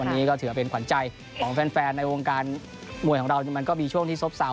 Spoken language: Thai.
อันนี้ก็ถือว่าเป็นขวัญใจของแฟนในวงการมวยของเรามันก็มีช่วงที่ซบเซา